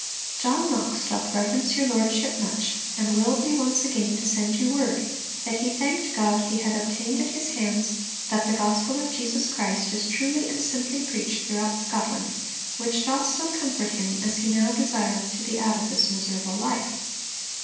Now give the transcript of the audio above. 'John Knox doth reverence your Lordship much, and willed me once again to send you word, that he thanked God he had obtained at His hands, that the Gospel of Jesus Christ is truly and simply preached throughout Scotland, which doth so comfort him as he now desireth to be out of this miserable life.'